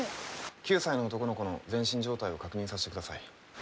９歳の男の子の全身状態を確認させてください。